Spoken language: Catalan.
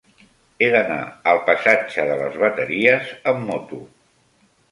He d'anar al passatge de les Bateries amb moto.